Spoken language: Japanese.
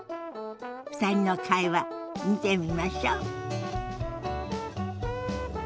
２人の会話見てみましょ。